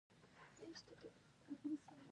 د مچیو بکسونه چیرته کیږدم؟